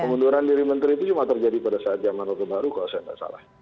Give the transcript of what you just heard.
pengunduran diri menteri itu cuma terjadi pada saat zaman rotondaru kalau saya nggak salah